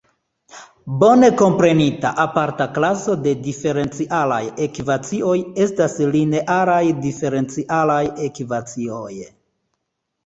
Bone komprenita aparta klaso de diferencialaj ekvacioj estas linearaj diferencialaj ekvacioj.